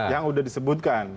yang sudah disebutkan